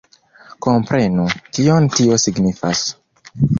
Komprenu, kion tio signifas!